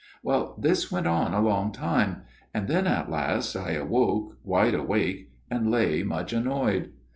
Well, this went on a long while, and then at last I awoke, wide awake, and lay much annoyed.